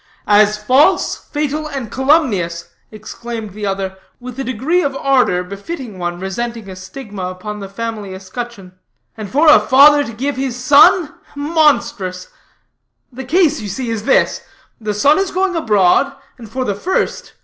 "As false, fatal, and calumnious," exclaimed the other, with a degree of ardor befitting one resenting a stigma upon the family escutcheon, "and for a father to give his son monstrous. The case you see is this: The son is going abroad, and for the first.